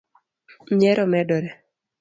nyiero medore